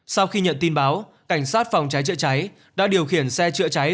sau khi nhận tin báo cảnh sát phòng cháy trựa cháy đã điều khiển xe trựa cháy